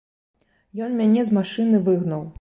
Ён мяне з машыны выгнаў!